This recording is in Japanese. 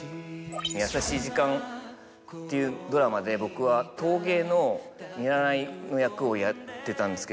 『優しい時間』っていうドラマで僕は陶芸の見習いの役をやってたんですけど。